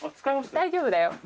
大丈夫だよ。